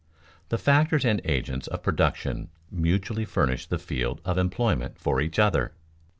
_The factors and agents of production mutually furnish the field of employment for each other.